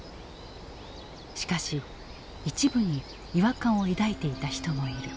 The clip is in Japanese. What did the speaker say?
しかし一部に違和感を抱いていた人もいる。